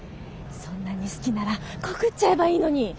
そんなに好きなら告っちゃえばいいのに。